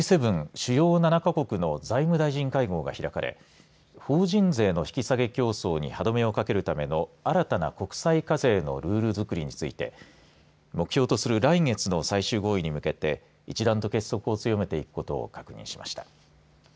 主要７か国の財務大臣会合が開かれ法人税の引き下げ競争に歯止めをかけるための新たな国債課税のルールづくりについて目標とする来月の最終合意に向けて一段と結束を強めていくことを確認しました。